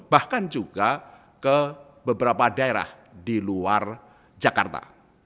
bahkan juga ke beberapa daerah di luar jakarta